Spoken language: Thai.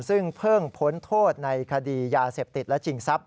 ซึ่งเพิ่งพ้นโทษในคดียาเสพติดและชิงทรัพย